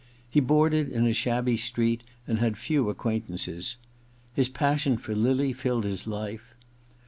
He boarded in a shabby street and had few acquaintances. His passion for lily filled his life.